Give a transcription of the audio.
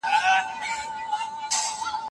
باید د بډاینیو کتابونو په اړه د خلکو معلومات زیات شي.